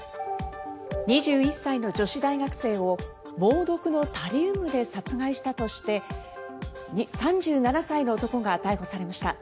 ２１歳の女子大学生を猛毒のタリウムで殺害したとして３７歳の男が逮捕されました。